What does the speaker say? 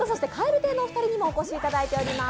蛙亭のお二人にもお越しいただいております。